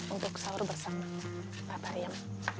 untuk sahur bersama mbak pariem